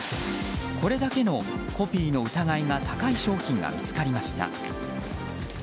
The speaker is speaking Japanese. これだけのコピーの疑いが高い商品が見つかりました。